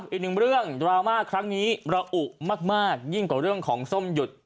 อีกหนึ่งเรื่องดราม่าครั้งนี้ระอุมากยิ่งกว่าเรื่องของส้มหยุด